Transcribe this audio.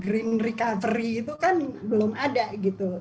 green recovery itu kan belum ada gitu